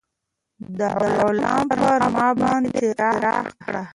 دا غلام پر ما باندې خرڅ کړه.